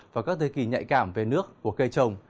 vào các thời kỳ nhạy cảm về nước của cây trồng